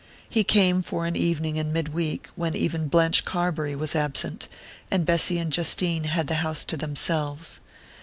He came for an evening in mid week, when even Blanche Carbury was absent, and Bessy and Justine had the house to themselves.